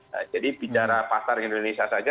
nah jadi bicara pasar indonesia saja